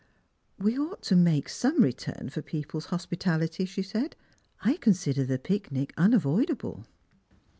" We ought to make some return for people's hospitality," shft said. " I consider the picnic unavoidable."